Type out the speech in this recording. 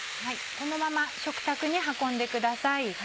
このまま食卓に運んでください。